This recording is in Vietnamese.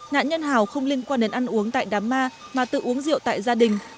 nạn nhân hào không liên quan đến ăn uống tại đám ma mà tự uống rượu tại gia đình